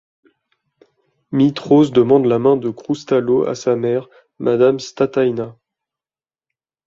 Mitros demande la main de Kroustallo à sa mère, madame Stathaina.